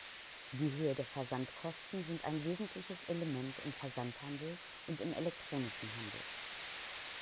Die Höhe der Versandkosten sind ein wesentliches Element im Versandhandel und im elektronischen Handel.